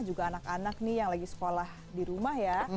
juga anak anak nih yang lagi sekolah di rumah ya